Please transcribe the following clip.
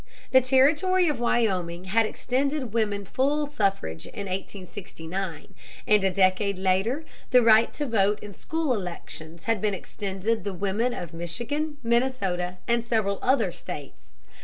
The territory of Wyoming had extended women full suffrage in 1869, and a decade later the right to vote in school elections had been extended the women of Michigan, Minnesota, and several other States.